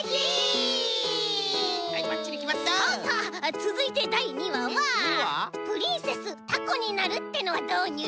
つづいてだい２わは「プリンセスタコになる」ってのはどうニュル？